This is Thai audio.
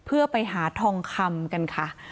เพื่อไปหาทองคำกันค่ะ